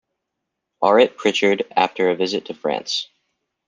Auret Pritchard after a visit to France.